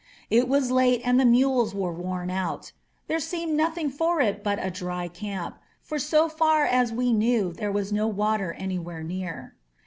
It was late and the mules were worn out. There seemed nothing for it but a "dry camp," for so far as we knew there was no water anywhere near.